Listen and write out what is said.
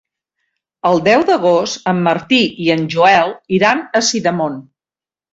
El deu d'agost en Martí i en Joel iran a Sidamon.